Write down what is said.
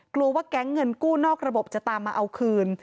กลัวว่าแก๊งเงินกู้นอกระบบจะตามมาเอาคืน